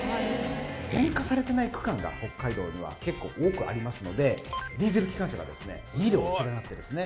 電化されてない区間が北海道には結構多くありますのでディーゼル機関車がですね２両連なってですね